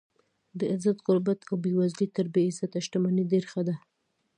د عزت غربت او بې وزلي تر بې عزته شتمنۍ ډېره ښه ده.